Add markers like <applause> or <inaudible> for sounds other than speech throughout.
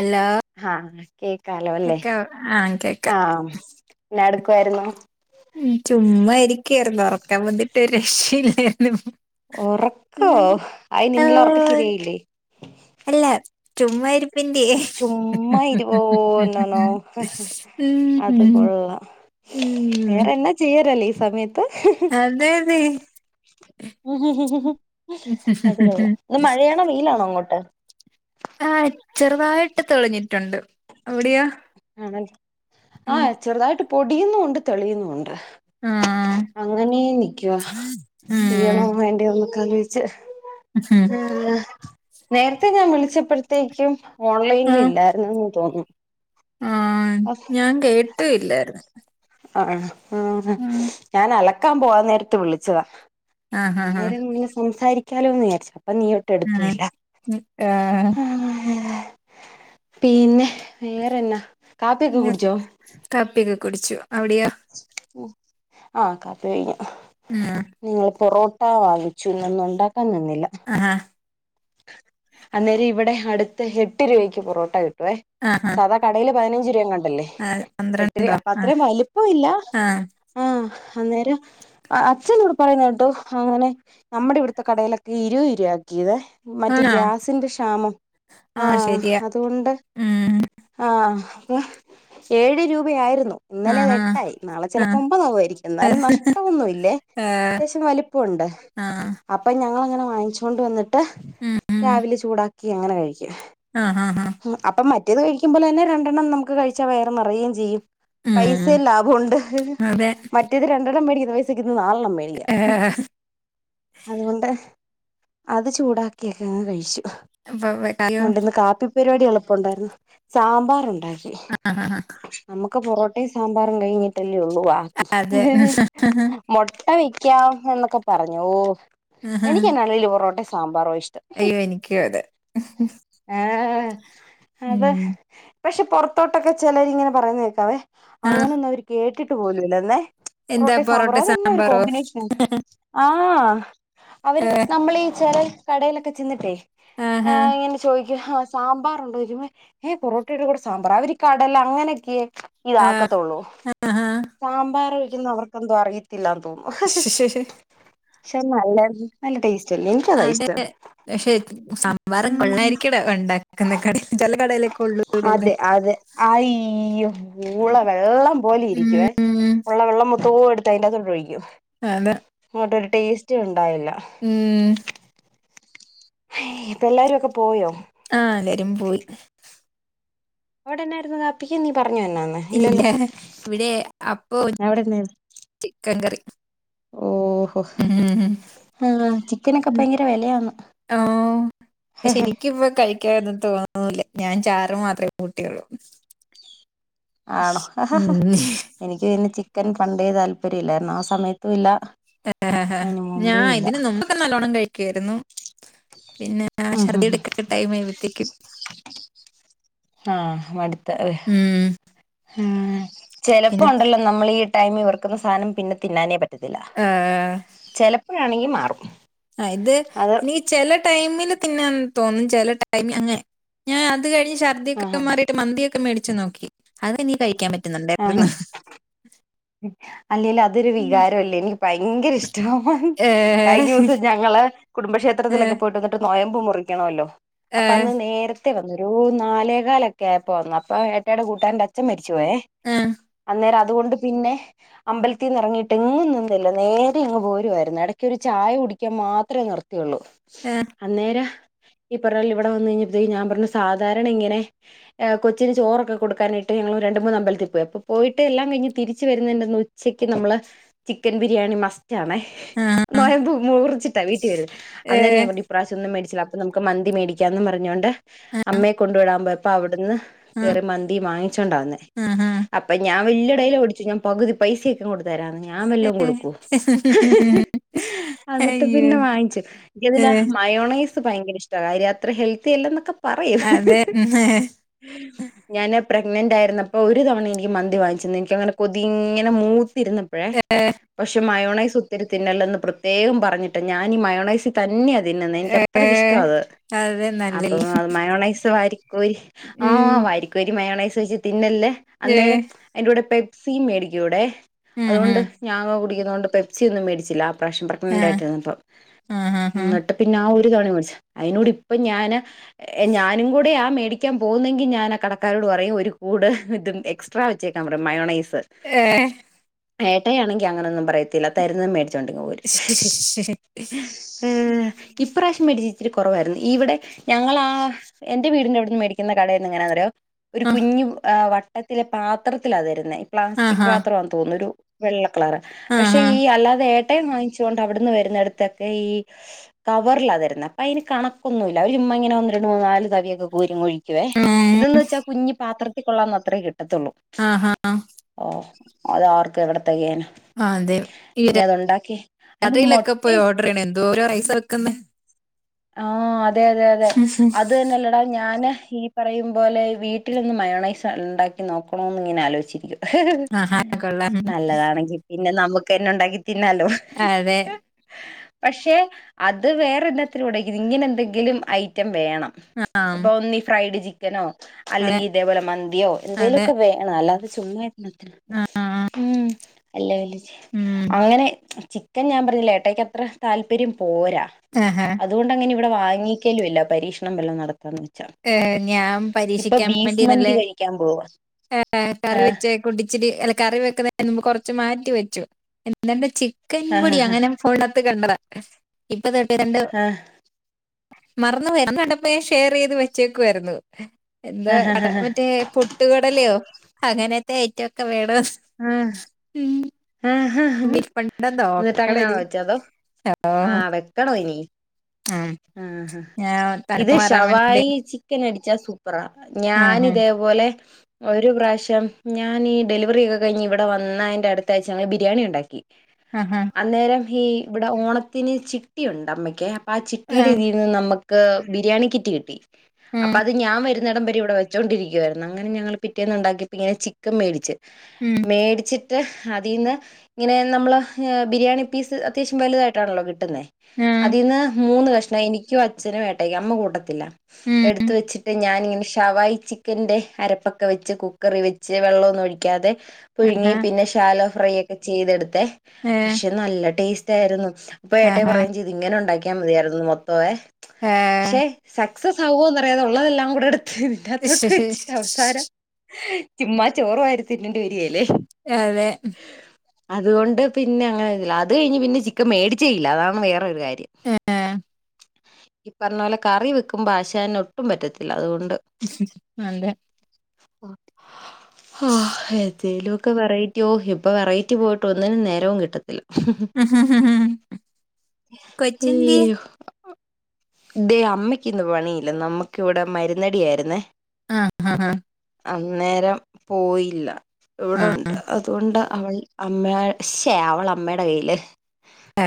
അല്ലാ ആഹ് കേക്കാലോ അല്ലേ ആഹ് കേക്കാം ആഹ് എന്നാ ടുക്കുവായിരുന്നു ഉം ചുമ്മാ ഇരിക്കായിരുന്നു ഒറക്കം വന്നിട്ട് ഒരു രക്ഷീല്ലായിരുന്നു ഒറക്കോ അയിനിന്നലെ ഒറക്കം ആഹ് ശരിയായില്ലേ അല്ല ചുമ്മ ഇരിപ്പിന്റേ ചുമ്മാ ഇരുപോന്നണോ അത് കൊള്ളാം ഉം വേറെ എന്നാ ചെയ്യരല്ലേ ഈ സമയത്ത് അതെ അതെ അത് കൊള്ളാം ഇന്ന് മഴയാണോ വെയിലാണോ അങ്ങോട്ട് ആഹ് ചെറുതായിട്ട് തെളിഞ്ഞിട്ടുണ്ട് അവിടെയോ ആണല്ലേ ഉം ആഹ് ചെറുതായിട്ട് പൊടിയുന്നൂണ്ട് തെളിയുന്നൂണ്ട് ആഹ് അങ്ങനെ നിക്കവാ ഉം പെയ്യണോ വേ ണ്ടെയോന്ന്കെ ആലോചിച്ച് ഉം ആഹ് നേരത്തെ ഞാൻ വിളിച്ചപ്പഴത്തേക്കും ഓൺലൈനില് ആഹ് ഇല്ലാര്ന്നുന്ന് തോന്നു ആഹ് ഞാൻ കേട്ടോ ഇല്ലാരുന്നു അഹാ ആഹ് ഞാൻ അലക്കാം പോവാം നേരത്ത് വിളിച്ചതാ ആഹ് ആഹ് അന്നേരം ഇങ്ങനെ സംസാരിക്കാലോന്ന് വിയാരിച്ചു അപ്പ നീ ട്ട് എടുത്തൂ ആഹ് ല്ല ഉം ആഹ് ആഹ് പിന്നെ വേറെന്നാ കാപ്പിയൊക്കെ കുടിച്ചോ കാപ്പിയൊക്കെ കുടിച്ചു അവിടെയോ ഉ ആഹ് കാപ്പി കഴിഞ്ഞു ഉം ഞങ്ങള് പൊറോ ട്ട വാങ്ങിച്ചു ഇന്നൊന്നും ഉണ്ടാക്കാൻ നിന്നില്ല ആഹ് അന്നേരം ഇവിടെ അടുത്ത് എട്ട് രൂവയ്ക്ക് പൊറോട്ട കിട്ടുവേ ആഹാ സാധാ കടേല് പതിനഞ്ച് രൂവയെങ്ങാണ്ടല്ലേ ആ, എട്ടു ര പന്ത്രണ്ടോ അപ്പ ആ അത്രയും വലിപ്പ ഇല്ല ആ ആഹ് അന്നേരം ആഹ് അച്ഛനിവടെ പറയുന്ന കേട്ടു അങ്ങനെ നമ്മടെ ഇവിടുത്തെ കടയിലൊക്കെ ഇരുപത് രൂപ ആക്കി ന്നെ മറ്റെ ആണോ ഗ്യാസിന്റെ ക്ഷാമം ആ ആഹ് ശരിയാ അത് കൊണ്ട് ഉം ആഹ് അപ്പ ഏഴ് രൂപയായിരുന്നു ഇന്നലെ അത് ആഹാ എട്ടായി നാളെ ആ ചെലപ്പൊ ഒമ്പതാകുവായിരിക്കും എന്നാലും നഷ്ടവൊന്നും ഇല്ലേ ഏ, അത്യാവശ്യം വലു ആ പ്പോണ്ട്അപ്പ ഞങ്ങളങ്ങനെ വാങ്ങിച്ചോണ്ട് വന്ന്ട്ട് ഉം രാവിലെ ചൂടാ ക്കി അങ്ങനെ കഴിക്കും ആഹ് ഹാ ഹാ. ഉം അപ്പം മറ്റേത് കഴിക്കുമ്പോലെന്നെ രണ്ടെണ്ണം നമുക്ക്‌ കഴിച്ചാ വയറ് നെറയേം ചെയ്യും. ഉം പൈസയും ലാഭുണ്ട് അതെ മറ്റേത് രണ്ടെണ്ണം മേടിക്കുന്ന പൈസക്കിത് നാലെണ്ണം മേടി ക്കാം. ഏ, അതുകൊണ്ട് അത് ചൂടാക്കിയൊക്കെ അങ്ങ് കഴിച്ചു. അപ്പൊ വെക്കായോ? ഉണ്ടിന്ന് കാപ്പി പരിപാടി എളുപ്പം ഉണ്ടായിരുന്നു സാമ്പാർ ഉണ്ടാക്കി. ആഹ് ആഹ് ആഹ്. നമ്മുക്ക് പൊറോട്ടയും സാമ്പാറും കഴിഞ്ഞിട്ടല്ലേള്ളു വാക്കി. അതെ മുട്ട വെക്കാം എന്നൊക്കെ പറ്ഞ്ഞു ആഹാ. എനക്ക് എന്നാണ പറോട്ടയും സാമ്പാറോ ഇഷ്ടം. അയ്യോ എനിക്ക് അതെ. ആഹ അതെ ഉം പക്ഷെ പുറത്തോട്ടൊക്കെ ചിലരിങ്ങനെ പറയുന്ന കേക്കാവേ. ആ അങ്ങനെന്നും അവര് കേട്ടിട്ട് പോലൂല്ലന്നെ. എന്താ റോട്ടി പൊറോട്ട സാമ്പാറും അതെന്ന ഒരു സാമ്പാറോ കോമ്പിനേഷനാ. ആഹ് അവര് ഏ, നമ്മളീ ചെല കടയിലൊക്കെ ചെന്നിട്ടേ ആഹാ ആഹ്. ചോദിക്ക ആഹ് സാമ്പാറുണ്ടോ വരുമോ ഏഹ പൊറോട്ടയുടെ കൂടെ സാമ്പാർ അവർ കടല അങ്ങനെയൊക്കെയേ. ആ, ഇതാക്കത്തുള്ളൂ ആഹാ സാമ്പാർ ഒഴിക്കുന്ന അവർക്ക്ന്തോ അറി ത്തില്ലന്ന് തോന്നുന്നു ശ്ശ്, ശ്ശ്, ശ്ശ്. പക്ഷെ നല്ല നല്ല ടേസ്റ്റ്ല്ലെ. അതെ പക്ഷെ സംമ്പറം കൊള്ളായിരിക്കട ഉണ്ടാക്കുന്ന കട. അതെ അതെ അഈ ള്ള വെള്ളം പോലെ ഇരിക്കുവേ ഉം, ഉള്ള വെള്ളം മൊത്തവും എടുത്ത് അതിന്റെ അകത്തട്ട് ഒഴിക്കും. അതെ. അങ്ങോട്ടരു ടേസ്റ്റ് ഉണ്ടായില്ല. മ്. ഉം. ഇപ്പ എല്ലാരും ഒക്കെ പോയോ? ആഹ് എല്ലരുും പോയി. അവിടെന്നായിരുന്നു കാപ്പിക്ക് നീ പറഞ്ഞു എന്നാന്ന് ഇല്ല ഇല്ലല്ലോ ഇവിടെ അപ്പോ അവിടെന്നായിരുന്നു? ചിക്കൻ കറി. ഓഹോ ആഹ്. ചിക്കനൊക്കെ ഉ ഭയങ്കര വിലയാന്ന് ആഹ് ശരിക്ക്പ്പ കഴ ക്കത് തോന്നുല്ല ഞാൻ ചാറ് മാത്രേ കൂട്ടിയുള്ളു. ആണോ ഉം. എനിക്ക് പിന്നെ ചിക്കൻ പണ്ടേ താല്പര്യം ഇല്ലാര്ന്നു ആഹ് സമയത്ത് ഇല്ല. ഹേ ഹേ അതിന് മുമ്പേ ഞാൻ ഇല്ല ഇതിന് നുമ്പ് നല്ലോണ്ണം കഴിക്കായിരുന്നു പിന്നെ ഉം ഛർദി ഉം എടുക്ക ടൈം ആയ്പത്തേക്കും. ആഹ് മട്ത്ത് അഹ് ഉം, പിന്നെ ചെലപ്പോണ്ടല്ലോ. നമ്മൾ ഈ ടൈമ ഇവർക്കുന്ന സാധനം പിന്നെ തിന്നാനേ പറ്റത്തില്ല. ആഹ്. ആഹ്. ചിലപ്പോഴാണെങ്കി മാറും. ആഹ് ഇത് അത് ന ചെല ടൈമില് തിന്നാൻ തോന്നും ചെല ടൈമി അങ്ങനെ ഞാൻ അത് കഴിഞ്ഞ് ഛർദിയൊക്കെ ആഹാ മാ മന്തിയൊക്കെ മേടിച്ച് നോക്കി അതെനി കഴിക്കാൻ പറ്റുന്നുണ്ടായിരുന്നു. അല്ലെല് അതൊരു വികാരംല്ലേ എനിക്ക് ഭയങ്കര ഇഷ്ട. കഴിഞ്ഞ ഏഹ് ദിവസം ഞങ്ങള് കുടുംബക്ഷേത്രത്തിലൊക്കെ ഏഹ് പോയിട്ട്. നൊയ്മ്പ് മുറിക്കണല്ലോ അപ്പൊ ഏഹ് അന്ന് നേര വന്ന് ഒരു നാലേകാലൊക്കെ ആയപ്പോ വന്നു അപ്പൊ ഏട്ടേയുടെ കൂട്ടാരൻ. അച്ചൻ മരിച്ചു പോയേ ആഹ് അന്നേരം അതുകൊണ്ട് പിന്നെ. അമ്പലത്തിൽ നിന്ന് ഇറങ്ങിട്ട്ന്നുംല്ല നേരെ ഇങ്ങ് പോരുവായിരുന്നു ഇടയ്ക്കൊരു ചായ കുടിക്കാൻ മാത്രേ നിർ ള്ളൂ. ഏ. അന്നേരം ഈ പറഞ്ഞപോലെ ഇവിടെ വന്ന് കഴിഞ്ഞപ്പത്തേക്കും ഞാൻ പറഞ്ഞു സാധാരണ ഇങ്ങനെ ഏ കൊച്ചിന് ചോറൊക്കെ കൊടുക്കാനായിട്ട് ഞങ്ങള് രണ്ട് മൂന്ന് അമ്പലത്തിൽ പോയി അപ്പോ പോയിട്ട് എല്ലാം കഴിഞ്ഞ് തിരിച്ച് വരുന്നേന്റന്ന് ഉച്ചക്ക് നമ്മള് ചിക്കൻ ബിരിയാണി മസ്റ്റ് ആണെ ആഹ് നൊയമ്പ് മുറിച്ചിട്ടാ വീട്ടി വരുന്നേ അന്നേരം ഞാൻ ഏഹ് പറഞ്ഞ് ഇപ്രാവശ്യമൊന്നും മേടിച്ചില്ലാ അപ്പം നമുക്ക് മന്തി മേടിക്കാന്നും പറഞ്ഞോണ്ട് അമ്മേ കൊണ്ട് വിടാൻ പോയപ്പൊ അവിടുന്ന് ആഹ് കേറി മന്തിയും വാങ്ങിച്ചോണ്ടാ വന്നേ ആഹ് ആഹ് അപ്പൊ ഞാൻ വെല്ല്യെ ഡെയലോഗടി ച്ച് ഞാൻ പകുതി പൈസെയൊക്കെ അങ്ങോട്ട് തരാന്ന് ഞാൻ വെല്ലോം കൊടുക്കുവോ അന്നിട്ട് അയ്യോ പിന്നെ വാങ്ങിച്ച് എനിക്ക് ഇതിലെ ഏഹ് മയോണൈ സ് ഭയങ്കര ഇഷ്ടവാ കാര്യം അത്ര ഹെൽത്തിയല്ലന്നൊക്കെ പറയും അതെ ഞാന് പ്രെഗ്നന്റായിരുന്നപ്പൊ ഒരു തവണ എനിക്ക് മന്തി വാങ്ങിച്ച് തന്ന് എനിക്കങ്ങനെ കൊതി ഇങ്ങനെ മൂത്തിരുന്നപ്പഴേ പക്ഷെ മയോണൈസ് ഒത്തിരി തിന്നല്ലെന്ന് പ്രെത്യേകം പറഞ്ഞിട്ടൊ ഞാൻ ഈ മയോണൈസ് തന്നെയാ തി തിന്നുന്നെ എനിക്കത്രക്ക് ഇഷ്ടമാ അത് അത് തന്നെ അപ്പോ മയോണൈസ് വാരിക്കോരി ഉം ആഹ് വാരി ക്കോരി മയോണൈസ് ഒഴിച്ച് തിന്നല്ല് ഏഹ് അന്നേരം അയ്ന്റെ കൂടെ പെപ്സിയും മേടിക്കും ഇവിടെയെ ഉം അതുകൊണ്ട് ഉം ഞാനൊക്കെ കുടിക്കുന്ന കൊണ്ട് പെപ്സി ഒന്നും മേടിച്ചില്ല അ പ്രാവശ്യം ആഹ് പ്രഗ്നന്റായിട്ടിരുന്നപ്പം ആഹ് ആഹ് ആഹ് എന്നി ട്ട് പിന്നാ ഒര് തവണ മേടിച്ച് അയ്നോടിപ്പം ഞാന് ഞാനും കൂടെയാ മേടി ക്കാൻ പോന്നെങ്കി ഞാനാ കടക്കാരോട് പറയും ഒരു കൂട് ഇത് എസ്റ്റ്ട്രാ വെച്ചേക്കാൻ പറയും മയോണൈസ് ഏഹ് ഏട്ടായി ആണെങ്കി അങ്ങനൊന്നും പറയത്തില്ല തരുന്നത് മേടിച്ചോണ്ട് ഇങ്ങ് പോരും ഇപ്രാവശ്യം മേടിച്ചത് ഇത്തിരി കൊറവായിരുന്നു ഇവിടെ ഞങ്ങളാ എന്റെ വീടിന്റെ അവിടുന്ന് മേടിക്കുന്ന കടേന്ന് എങ്ങനാന്നറിയാമോ ഒരു ആഹ് കുഞ്ഞ് ആ വട്ടത്തിലെ പാത്രത്തിലാ തരുന്നേ പ്ലാസ്റ്റിക് ആഹാ പാത്രാവാന്ന് തോന്നുന്നു ഒരു വെള്ളക്കളറ് പക്ഷെ ആഹാ ഈ അല്ലാതെ ഏട്ടായി വാങ്ങിച്ചോണ്ട് അവിടുന്ന് വരുന്നോടത്തൊക്കെ ഈ കവറിലാ തരുന്നെ അപ്പ അതിന് കണക്കൊന്നുമില്ല അവർ ചുമ്മായിങ്ങനെ ഒന്ന് രണ്ട് മൂന്ന് നാല് തവിയൊക്കെ കോരി അങ്ങൊഴി ക്കുവേ ഉം ഇതെന്ന് വെച്ചാ കുഞ്ഞി പാത്രത്തിൽ കൊള്ളാവുന്നത്രയേ കിട്ടത്തൊള്ളൂ ആഹ് ആഹ് ആഹ് അതാർക്ക് എവിടെ തികയാനാ ആ അതെ. ഈ ഇനി അതുണ്ടാക്കി അതിന് മുട്ട ഇ <unintelligible> എന്തോരവാ റൈസ് വെക്കുന്നെ ആഹ് അതെ അതെ അതെ അത് തന്നെയല്ലടാ ഞാന് ഈ പറയും പോലെ വീട്ടിലൊന്ന് മയോണൈസ് ഉണ്ടാക്കി നോക്കണോന്ന് ഇങ്ങനെ ആലോചിച്ചിരിക്കുവാ ആഹാ കൊള്ളാം. ഉം. നല്ലതാണെങ്കി പിന്നെ നമുക്ക് തന്നെ ഉണ്ടാക്കി തിന്നാലോ അതെ പക്ഷെ അത് വേറെന്നാത്തിനും <unintelligible> ഇങ്ങനെ എന്തെങ്കിലും ഐറ്റം വേണം ആം. ഇപ്പോ ഒന്നീ ഫ്രൈഡ് ചിക്കനോ അതെ. അല്ലെങ്കി ഇതേപോലെ മന്തിയോ അതെ. എന്തേലുവൊക്കെ വേ ണം അല്ലാതെ ചുമ്മാ എന്നാത്തിനാ ആ. ഉം അല്ലേ വല്ലോ ചി ഉം അങ്ങനെ ചിക്കൻ ഞാൻ പറഞ്ഞില്ലേ ഏട്ടായിക്ക് അത്രെ താല്പര്യം പോരാ ആഹ് ആഹ് അതുകൊണ്ടങ്ങനെ ഇവിടെ വാങ്ങിക്കലുമില്ല പരീക്ഷണം വല്ലതും നട ത്താന്ന് വെച്ചാ ഏഹ് ഞാൻ ഇപ്പം ബീഫ് മന്തി കഴിക്കാൻ പോവാ ഏ ഏ കറി വെച്ചേ കുടിച്ചിട്ട് അല്ല കറി വെക്കുന്നേന് മുമ്പ് കൊറച്ച് മാറ്റി വെച്ചു എന്നിട്ട് ചിക്കൻ പൊടി അങ്ങനെ ഫോണിനകത്ത് കണ്ടതാ ഇപ്പം തൊട്ടേ രണ്ട് മറന്ന് പോയി അന്ന് കണ്ടപ്പളേ ഷെയറ് ചെയ്ത് വെച്ചേക്കുവായിരുന്നു എന്താ കട മറ്റേ പൊട്ടുകടലയോ അങ്ങനെത്തെ ഐറ്റൊക്കെ വേണം ആഹ് ആഹ് ഇരിപ്പുണ്ടോ എന്നിട്ട് നോക്കണം അങ്ങനാണോ ഇനി വെച്ചത് അതൊ ഓ ആ വെക്കണൊ ഇനി ഉം ആഹ് ഞാൻ ഇത് തണുപ്പ് മാറാൻ വേണ്ടി ശവായി ചിക്ക മേടിച്ചാ സൂപ്പറാ ആഹ് ഞനിതേപോലെ ഒര് പ്രാവ്ശ്യം ഞനീ ഡെലിവറിക്കെ കഴ്ഞ്ഞ് ഇവ്ടെ വന്നേൻ്റെട്ക്ക് ന്തായ്ച ഞങ്ങള് ബിരിയാണി ണ്ടാക്കി ആഹ് ആഹ് അന്നേരം ഈ വ്ടെ ഓണത്തിന് ചിട്ടിയുണ്ട് അമ്മയ്ക്ക് അപ്പം ആഹ് ചിട്ടിയുടെ ആഹ് ഇതിന്ന് നമ്മക്ക് ബിരിയാണി കിറ്റ് കിട്ടി ഉം അപ്പൊ അത് ഞാൻ വരുന്ന വരുന്നുടം വരെ ഇവിടെ വെച്ചോ ണ്ടിരിക്കുവായിരുന്നു അങ്ങനെ ഞങ്ങള് പിറ്റേന്നുണ്ടാക്കിപ്പോ ഇങ്ങനെ ചിക്കൻ മേടിച്ച് ഉം മേടിച്ചിട്ട് അതിൽ നിന്ന് ഇങ്ങനെ നമ്മള് ബിരിയാണി പീസ് അത്യാവശ്യം വലുതായിട്ടാണല്ലോ കിട്ട ഉം അതീന്ന് മൂന്ന് കഷ്ണം എനിക്കും അച്ഛനും ഏട്ടായിക്കും അമ്മ കൂട്ടത്തില്ല ഉം എടുത്ത് വെച്ചിട്ട് ഞാനിങ്ങനെ ഷവായി ചിക്കന്റെ അരപ്പൊക്കെ വെച്ച് കുക്കറി വെച്ച് വെള്ളമൊന്നും ഒഴിക്കാതെ പുഴുങ്ങി ആഹാ പിന്നെ ശാലോ ഫ്രൈ ഒക്കെ ചെയ്തെടുത്തെ ഏഹ് പക്ഷെ നല്ല ടേസ്റ്റ് ആയിരുന്നു അപ്പൊ ആഹാ ഏട്ടായിപറയുകയും ചെയ്ത് ഇങ്ങനെ ഉണ്ടാക്കിയാൽ മതിയായിരുന്നു മൊത്തമേ ഏഹ് പക്ഷെ സക്സസ് ആവോന്നറിയാതെ ഉള്ളതെല്ലാം കൂടെ എടുത്ത് ഇതിനകത്തോട്ട് വെച്ചിട്ട് അവസാനം ചുമ്മാ ചോറു വാരിത്തിത്തേണ്ടി വരിയേല്ലേ അതെ അതുകൊണ്ട് പിന്നെ അങ്ങനെല്ല അത് കഴിഞ്ഞ് പിന്നെ ചിക്കൻ മേടിച്ചേയില്ല അതാണ് വേറെ വേറൊരു കാര്യം ഏഹ് പറഞ്ഞ പോലെ കറി വെക്കുമ്പോ ആശനൊട്ടും പറ്റത്തില്ല അതുകൊണ്ട് നല്ല ആഹ് ഏതേലുക്കെ പറയും യോഹ് ഇപ്പോ വെറൈറ്റി പോയിട്ട് ഒന്നിനും നേരവും കിട്ടത്തില്ല കൊച്ചെന്തിയെ അയ്യോ ദേ അമ്മയ്ക്ക് ഇന്ന് പണിയില്ല നമ്മുക്ക് ഇവിടെ മരുന്നടി ആയിരുന്നേ ആഹ് ആഹ് ആഹ് അന്നേരം പോയില്ല ഏഹ് ഇവിടെണ്ട് അതുകൊണ്ട് അവൾ അമ്മ ശെ അവളമ്മെടെ കയ്യില് ആഹ് ഏ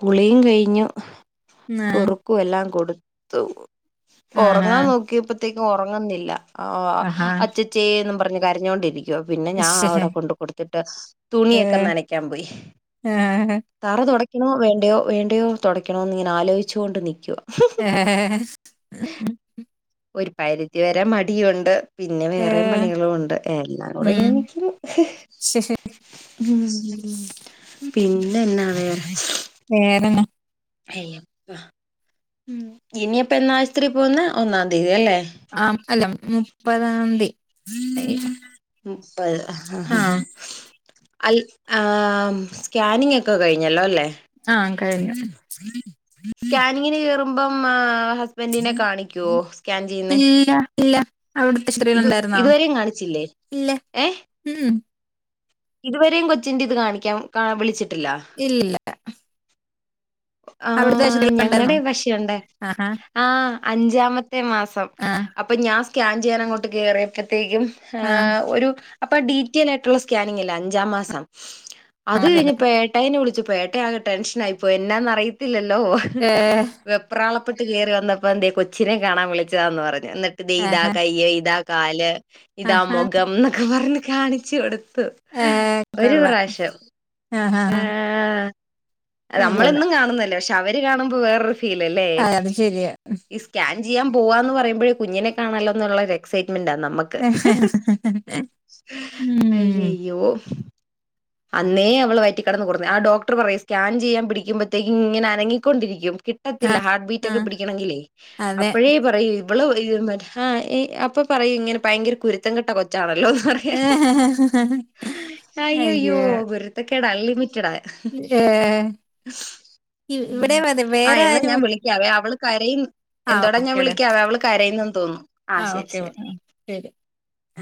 കുളിയും കഴിഞ്ഞു ന്നാ കുറുക്കു എല്ലാം കൊടുത്തു ആഹാ ഉറങ്ങാൻ നോക്കിയപ്പോത്തേക്കും ഉറങ്ങുന്നില്ല ആഹ് ആഹാ അച്ചച്ച ഛേന്നും പറഞ്ഞ് കാരഞ്ഞോണ്ടിരിക്കും പിന്നെ ഞാൻ ഏഹ് അവിടെ കൊണ്ട് കൊടുത്തിട്ട് തുണിയൊക്കെ നനക്കാൻ പോയി ഏഹ് തറ തുടക്കണോ വേണ്ടയോ വേണ്ടയോ തൊടക്കണോന്ന് ഇങ്ങനെ ആലോചിച്ചോണ്ട് നിൽക്കുഅ ഏഹ് ഒരു പരിധി വരെ മടിയുണ്ട് പിന്നെ വേറെയും ഏഹ് പണികളും ഉണ്ട് എല്ലാം കൂടെ ഇങ്ങന നിക്കുന്നു ശഹ ഉം പിന്ന എന്നാ വേറെ വേറെന്ന ഉം ഇനിയിപ്പ എന്നാ ആശുത്രീ പോന്ന ഒന്നാം തീയതി അല്ലേ ആഹ് അല്ല മുപ്പതാംതി മുപ്പത് ആഹ് അൽ ആഹ് സ്കാനിങ് ഒക്കെ കഴിഞ്ഞല്ലോ ല്ലേ ആഹ് കഴഞ്ഞു സ്കാനിങ്ങിന് കെയറുമ്പം ഹസ്ബൻഡിനെ കാണിക്കുവോ സ്കാൻ ചെയ്യുന്നെ ഇല്ല ഇല്ല അവിടുത്തെ ശ്ത്രിലു ണ്ടായിരുന്നോ ഇതുവരെയും കാണിച്ചില്ലേ ഇല്ല ഏഹ് ഇല്ല ഉം ഇതുവരെയും കൊച്ചിന്റെ ഇത് കാണിക്കാം കാണാൻ വിളിച്ചിട്ടില്ല ഇല്ലില്ല ആ അവിടുത്തെ ആശുപത്രിയിൽ ഉണ്ടായിരുന്നോ ഞങ്ങടെ പഷേ ഒണ്ട് ആഹാ ആഹ് അഞ്ചാമത്തെ മാസം ആഹ് ഇപ്പൊ ഞാൻ സ്കാൻ ചെയ്യാൻ അങ്ങോട്ട് കേയറിയപ്പോഴത്തേക്കും ആഹ് ഒരു അപ്പൊ ഡീറ്റെയിലായിട്ടുള്ള സ്കാനിങ് ഇല്ലേ അഞ്ചാം മാസം അത് അതെ അതെ കഴിഞ്ഞപ്പഴേ ട്ടായിനെ വിളിച്ചപ്പോ ഏട്ടായി ആകെ ടെൻഷൻ ആയി പോയി എന്നാ ന്നറിയത്തില്ലല്ലോ ഏഹ് വെപ്രാളപ്പെട്ട് കയറി വന്നപ്പോ എന്തേ കൊച്ചിനെ കാണാൻ വിളിച്ചതാന്ന് പറഞ്ഞു എന്നിട്ട് ഇതേ ഇതാ ആഹാ കയ്യ് ഇ താ കാല് ഇതാ ആഹാ മുഖം എന്നൊക്കെ പറഞ്ഞ് കാണിച്ചു കൊടുത്തു ഏഹ് ഒരു കൊള്ളാം പ്രാവശ്യം ആഹ് ആഹ് അത് നമ്മളെന്നും കാണുന്നല്ലേ പക്ഷെ അവര് കാണുമ്പോ വേറൊരു ഫീല് അല്ലേ ആഹ് അത് ശരിയാ ഇസ് സ്കാൻ ചെയ്യാൻ പോവാന്ന് പറയുമ്പോയെ കുഞ്ഞിനെ കാണാലോന്നുള്ള ഒരു എക്സൈറ്റ്മെന്റ് ആ നമ്മ ക്ക് ഉം അയ്യയ്യോ അന്നേ അവള് വറ്റിക്കടന്ന് ഓട്ണ് ആ ഡോക്ടർ പറയും സ്കാൻ ചെയ്യാൻ പിടിക്കുമ്പോഴത്തേക്കും ഇങ്ങന അനങ്ങിക്കൊണ്ടിരിക്കും കി റ്റത്തില്ല ആഹ് ഹാർട്ട് ബീറ്റ് ഒക്കെ ആഹ് പിടിക്കണെങ്കിലേ അതെ അപ്പഴേ പ ഇവള് <unintelligible> ഹാ ഏഹ് അപ്പൊ പറയൂ ഇങ്ങനെ ഭയങ്കര കുരുത്തം കെട്ട കൊ ച്ചാണല്ലോന്ന് പറയും അയ്യയ്യോ അയ്യോ കുരുത്തക്കേട് അൺലിമിറ്റഡാ ഏഹ് ഇവിടെ അതെ വേറെ ആരും ക്യാ അവള് കരയു ആ എന്തോടാ ഞാൻ ഓക്കേടാ വിളിക്കാ അവള് കരയുന്നെന്ന് തോന്നുന്നു ആ ശരി ശരി ശരി ആ